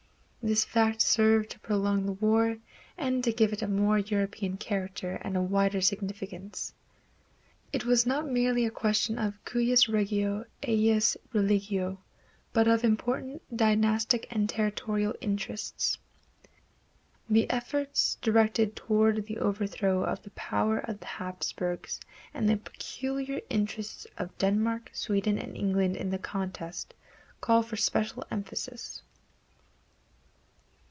This fact served to prolong the war and to give it a more European character and a wider significance. It was not merely a question of cujus regio, ejus religio, but of important dynastic and territorial interests. The efforts directed toward the overthrow of the power of the Hapsburgs and the peculiar interests of Denmark, Sweden and England in the contest call for special emphasis.